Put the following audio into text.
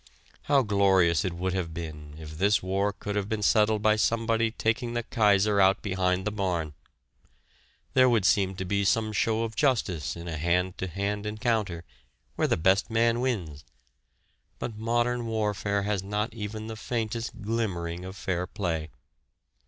How glorious it would have been if this war could have been settled by somebody taking the Kaiser out behind the barn! There would seem to be some show of justice in a hand to hand encounter, where the best man wins, but modern warfare has not even the faintest glimmering of fair play.